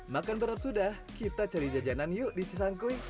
makan berat sudah kita cari jajanan yuk